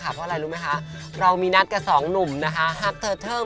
เพราะอะไรรู้ไหมคะเรามีนัดกับสองหนุ่มนะคะฮักเธอเทิม